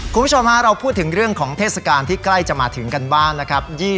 คุณผู้ชมฮะเราพูดถึงเรื่องของเทศกาลที่ใกล้จะมาถึงกันบ้างนะครับ